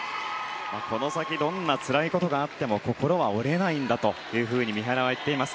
この先どんなつらいことがあっても心は折れないんだというふうに三原は言っています。